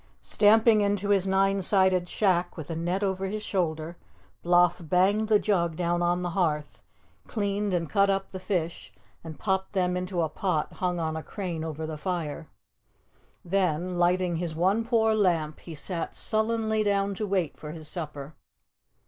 Stamping into his nine sided shack with the net over his shoulder, Bloff banged the jug down on the hearth, cleaned and cut up the fish and popped them into a pot hung on a crane over the fire. Then, lighting his one poor lamp, he sat sullenly down to wait for his supper.